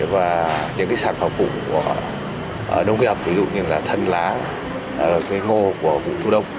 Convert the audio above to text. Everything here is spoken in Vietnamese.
và những sản phẩm phụ của nông nghiệp ví dụ như thân lá ngô của vụ thu đông